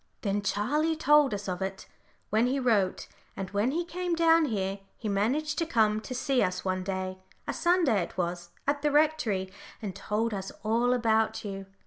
Then Charlie told us of it, when he wrote, and when he came down here he managed to come to see us one day a Sunday it was at the Rectory, and told us all about you.